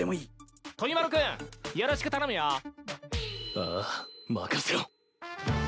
ああ任せろ。